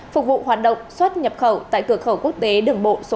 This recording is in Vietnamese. phục vụ hoạt động xuất nhập khẩu tại cửa khẩu quốc tế đường bộ số hai